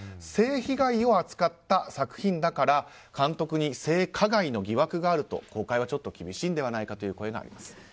性被害を扱った作品だから監督に性加害の疑惑があると公開はちょっと厳しいんではないかという声があります。